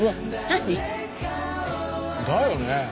何？だよね。